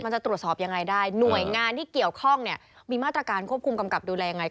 จะตรวจสอบยังไงได้หน่วยงานที่เกี่ยวข้องเนี่ยมีมาตรการควบคุมกำกับดูแลยังไง